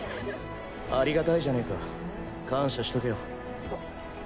ありがたいじゃねか。感謝しとけよ。